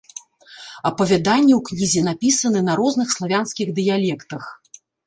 Апавяданні ў кнізе напісаны на розных славянскіх дыялектах.